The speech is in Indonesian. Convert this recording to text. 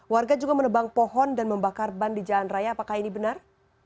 warga juga menebang pohon dan membakar ban di jalan raya apakah ini benar